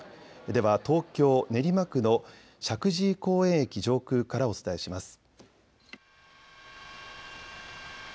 では東京練馬区の石神井公園駅上空からお伝えします。